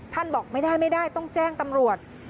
ท่านบอกไม่ได้ต้องแจ้งตำรวจ